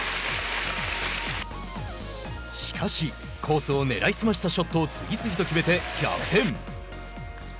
しかし、コースを狙い澄ましたショットを次々と決めて逆転。